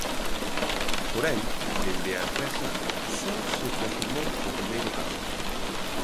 Porén, dende a empresa só se confirmou o primeiro caso.